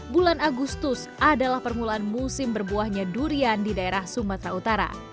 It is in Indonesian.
bulan agustus adalah permulaan musim berbuahnya durian di daerah sumatera utara